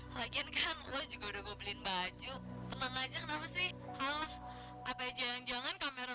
bikin kan lo juga udah beli baju tenang aja kenapa sih apa jangan jangan kamera